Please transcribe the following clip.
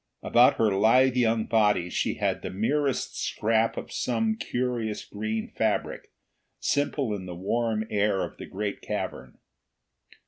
About her lithe young body she had the merest scrap of some curious green fabric ample in the warm air of the great cavern.